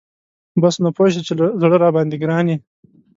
بس نو پوه شه چې له زړه راباندی ګران یي .